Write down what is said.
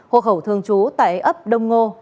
hộ khẩu thường trú tại ấp đông ngô